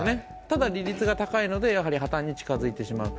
ただ、利率が高いのでやはり破綻に近づいてしまう。